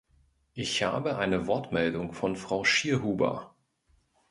Ich habe eine Wortmeldung von Frau Schierhuber.